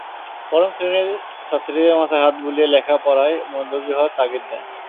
পরম স্নেহে ছাত্রীদের মাথায় হাত বুলিয়ে লেখাপড়ায় মনোযোগী হওয়ার তাগিদ দেন।